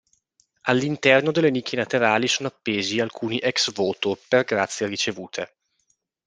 All'interno delle nicchie laterali sono appesi alcuni ex voto per grazie ricevute.